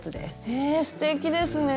へえすてきですね。